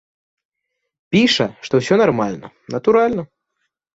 Піша, што ўсё нармальна, натуральна.